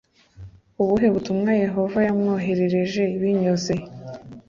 ubuhe butumwa Yehova yamwoherereje binyuze